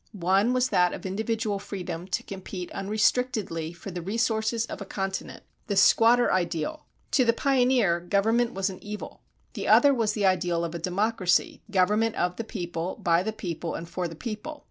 One was that of individual freedom to compete unrestrictedly for the resources of a continent the squatter ideal. To the pioneer government was an evil. The other was the ideal of a democracy "government of the people, by the people and for the people."